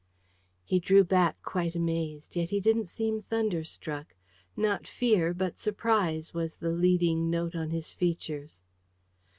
He drew back, quite amazed. Yet he didn't seem thunderstruck. Not fear but surprise was the leading note on his features.